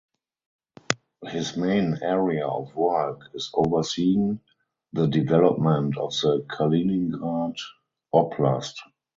His main area of work is overseeing the development of the Kaliningrad Oblast.